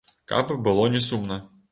Каб было не сумна.